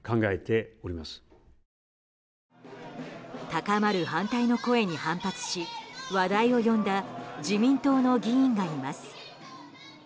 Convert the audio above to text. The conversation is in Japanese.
高まる反対の声に反発し話題を呼んだ自民党の議員がいます。